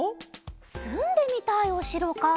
すんでみたいおしろか。